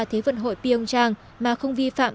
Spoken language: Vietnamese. thế vận hội pyeongchang mà không vi phạm